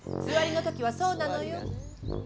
つわりの時はそうなのよ。